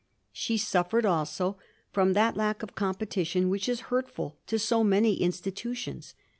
She suf fered also from that lack of competition which is hurtful to so many institutions.